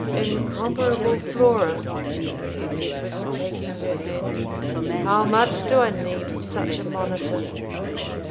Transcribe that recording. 'Incomparable Flora!' said Edward, taking her hand, 'how much do I need such a monitor!'